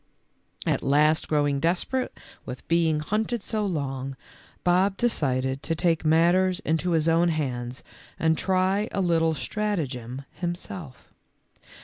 At last growing desperate with being hunted so long, Bob decided to take matters into his own hands and try a little stratagem himself.